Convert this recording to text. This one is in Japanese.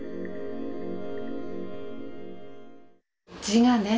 字がね。